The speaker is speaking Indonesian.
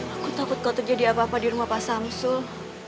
aku takut kalau terjadi apa apa di rumah pak samsul